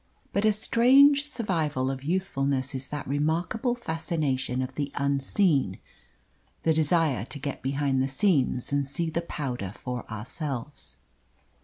But a strange survival of youthfulness is that remarkable fascination of the unseen the desire to get behind the scenes and see the powder for ourselves.